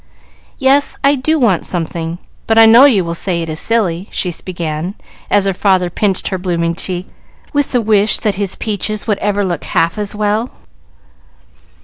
"Yes, I do want something, but I know you will say it is silly," she began, as her father pinched her blooming cheek, with the wish that his peaches would ever look half as well.